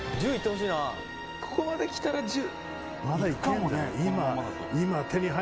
藤ヶ谷：ここまできたら１０！